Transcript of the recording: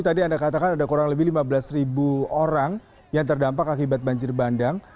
tadi anda katakan ada kurang lebih lima belas ribu orang yang terdampak akibat banjir bandang